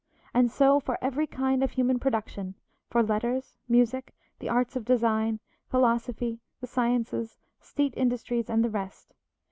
And so for every kind of human production, for letters, music, the arts of design, philosophy, the sciences, state industries, and the rest.